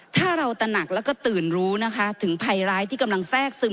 ถ้าเราตระหนักแล้วก็ตื่นรู้นะคะถึงภัยร้ายที่กำลังแทรกซึม